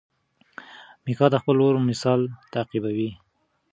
میکا د خپل ورور مثال تعقیبوي.